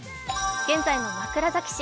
現在の枕崎市。